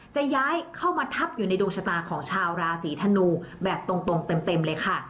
จะย้ายเข้ามาทับอยู่ในดวงชะตาของชาวราศีธนูแบบตรงเต็มเลยค่ะ